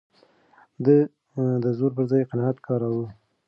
ده د زور پر ځای قناعت کاراوه.